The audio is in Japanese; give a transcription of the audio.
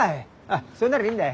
あっそれならいいんだ。